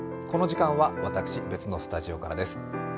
この時間は私、別のスタジオからです。